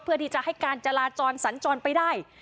เพื่อที่จะให้การจราจรสัญจรไปได้